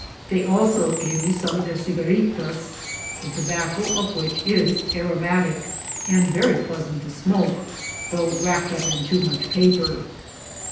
They also IN LIGHTER MOOD 303 gave me some of their cigaritas, the tobacco of which is aromatic, and very pleasant to smoke, though wrapped up in too much paper.